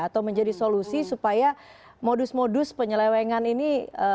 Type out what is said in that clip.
atau menjadi solusi supaya modus modus penyelewengan ini